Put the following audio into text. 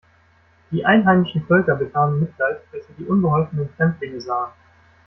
Die einheimischen Völker bekamen Mitleid, als sie die unbeholfenen Fremdlinge sahen.